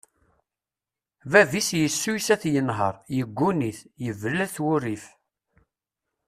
Bab-is yessuyes ad t-yenher, yegguni-t, yebla-t wurrif.